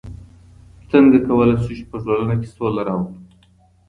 څنګه کولای سو چي په ټولنه کي سوله راولو؟